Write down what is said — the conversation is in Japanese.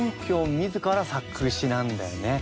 自ら作詞なんだよね。